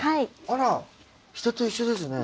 あら人と一緒ですね。